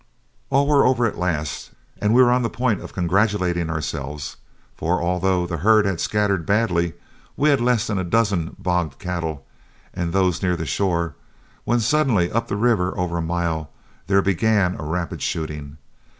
All were over at last, and we were on the point of congratulating ourselves, for, although the herd had scattered badly, we had less than a dozen bogged cattle, and those near the shore, when suddenly up the river over a mile, there began a rapid shooting.